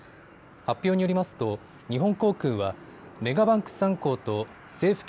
発表によりますと日本航空はメガバンク３行と政府系